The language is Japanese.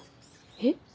えっ？